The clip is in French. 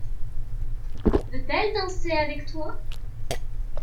Veut-elle danser avec toi ?